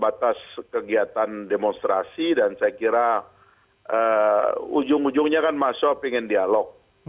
batas kegiatan demonstrasi dan saya kira ujung ujungnya kan mahasiswa ingin dialog